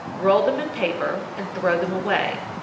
Roll them in paper and throw them away.